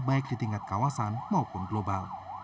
baik di tingkat kawasan maupun global